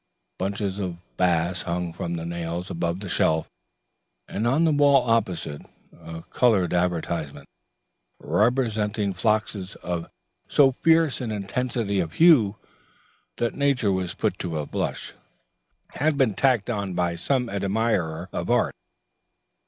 Bunches of bass hung from nails above the shelf; and on the wall opposite, a coloured advertisement, representing phloxes of so fierce an intensity of hue that nature was put to the blush, had been tacked by some admirer of Art.